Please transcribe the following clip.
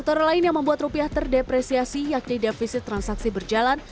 kinerja ekspor impor yang menunjukkan kinerja ekspor impor masih mencatat defisit transaksi berjalan